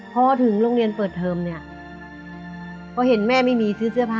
พอถึงโรงเรียนเปิดเทอมเนี่ย